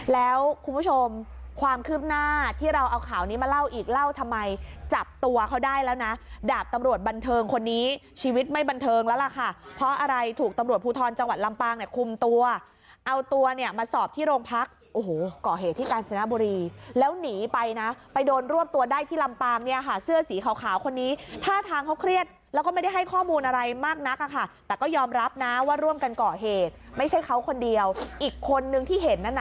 แล้วคุณผู้ชมความคืบหน้าที่เราเอาข่าวนี้มาเล่าอีกเล่าทำไมจับตัวเขาได้แล้วนะดาบตำรวจบันเทิงคนนี้ชีวิตไม่บันเทิงแล้วล่ะค่ะเพราะอะไรถูกตำรวจภูทรจังหวัดลำปางเนี้ยคุมตัวเอาตัวเนี้ยมาสอบที่โรงพักโอ้โหก่เหตุที่กาญจนบุรีแล้วหนีไปนะไปโดนร่วมตัวได้ที่ลำปางเนี้ยค่ะเส